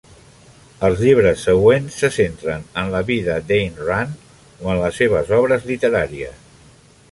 Els llibres següents se centren en la vida d'Ayn Rand o en les seves obres literàries.